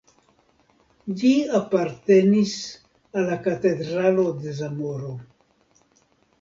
Ĝi apartenis al la Katedralo de Zamoro.